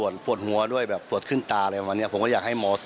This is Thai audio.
และเกว่าเสียงแผล